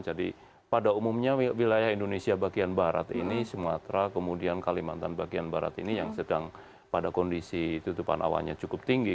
jadi pada umumnya wilayah indonesia bagian barat ini sumatera kemudian kalimantan bagian barat ini yang sedang pada kondisi tutupan awannya cukup tinggi